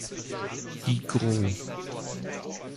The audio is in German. Die gro